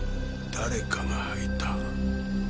誰かが履いた。